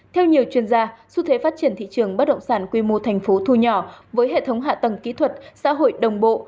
theo nhiều chuyên gia xu thế phát triển thị trường bất động sản quy mô thành phố thu nhỏ với hệ thống hạ tầng kỹ thuật xã hội đồng bộ